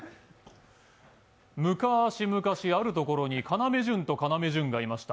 昔むかし、あるところに要潤と要潤がいました。